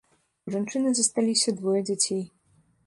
У жанчыны засталіся двое дзяцей.